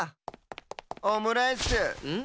オムライスん？